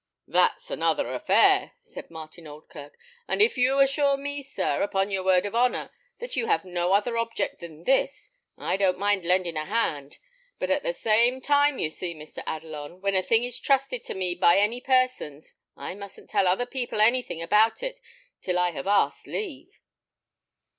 "That's another affair," said Martin Oldkirk; "and if you assure me, sir, upon your word of honour, that you have no other object than this, I don't mind lending a hand; but at the same time you see, Mr. Adelon, when a thing is trusted to me by any persons I mustn't tell other people anything about it till I have asked leave."